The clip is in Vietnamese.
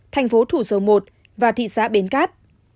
thành phố thủ dầu một và thị xã bến cát